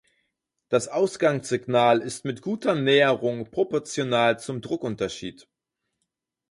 Das Ausgangssignal ist mit guter Näherung proportional zum Druckunterschied.